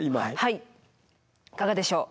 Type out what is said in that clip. いかがでしょう？